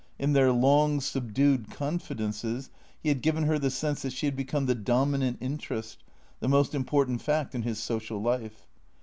In their long, subdued confidences he had given her the sense that she had become the dominant interest, the most important fact in his social life.